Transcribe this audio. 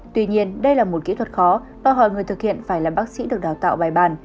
tuy nhiên đây là một kỹ thuật khó đòi hỏi người thực hiện phải là bác sĩ được đào tạo bài bàn